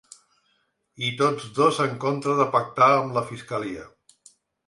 I tots dos en contra de pactar amb la fiscalia.